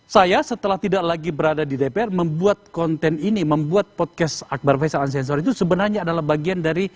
saya setelah tidak lagi berada di dpr membuat konten ini membuat podcast akbar faisal anzezor itu sebenarnya adalah bagian dari